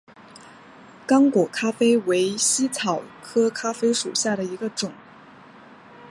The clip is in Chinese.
刚果咖啡为茜草科咖啡属下的一个种。